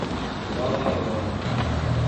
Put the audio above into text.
Nova Aurora